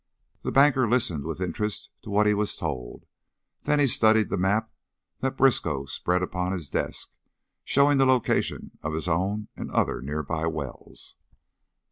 The banker listened with interest to what he was told, then he studied the map that Briskow spread upon his desk showing the location of his own and other near by wells.